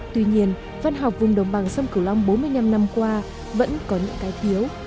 tuy nhiên văn học vùng đồng bằng sông cửu long bốn mươi năm năm qua vẫn có những cái thiếu